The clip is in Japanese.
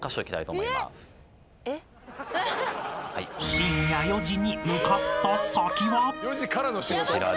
［深夜４時に向かった先は］